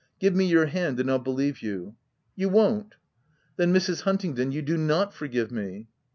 Give me your hand and I'll believe you. — You won't? Then, Mrs. Huntingdon, you do not forgive me